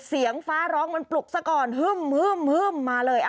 เสียงฟ้าร้องมันปลุกซะก่อนฮึ่มมาเลย